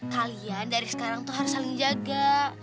kalian dari sekarang tuh harus saling jaga